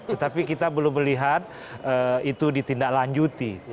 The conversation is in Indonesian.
tetapi kita belum melihat itu ditindaklanjuti